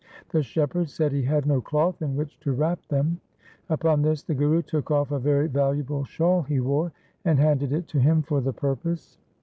The shepherd said he had no cloth in which to wrap them. Upon this the Guru took off a very valuable shawl he wore, and handed it to him for the purpose.